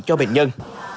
cho bệnh nhân